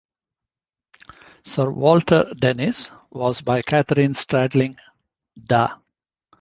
Sir Walter Denys was by Katherine Stradling, da.